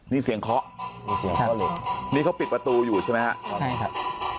นี่เสียงเคาะนี่เค้าปิดประตูอยู่ใช่ไหมครับใช่ครับ